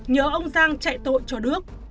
nhớ ông giang chạy tội cho đước